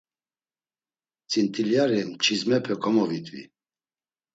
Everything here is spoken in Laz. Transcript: Tzint̆ilyari çizmepe komovidvi.